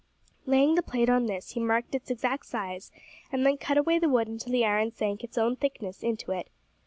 Laying the plate on this, he marked its exact size, and then cut away the wood until the iron sank its own thickness into it.